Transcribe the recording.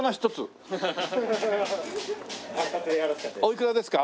おいくらですか？